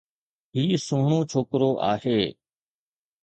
هي سهڻو ڇوڪرو آهي